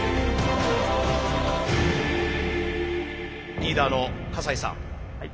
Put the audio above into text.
リーダーの笠井さん。